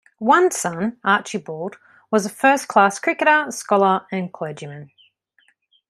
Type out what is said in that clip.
One son, Archibald, was a first-class cricketer, scholar and clergyman.